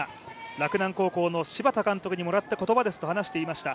洛南高校の監督にもらった言葉ですと話していました。